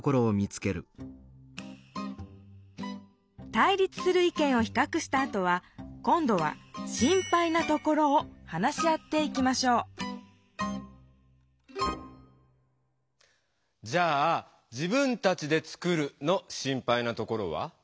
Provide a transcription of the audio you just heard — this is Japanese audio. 対立する意見をひかくしたあとは今どは「心配なところ」を話し合っていきましょうじゃあ「自分たちで作る」の「心配なところ」は？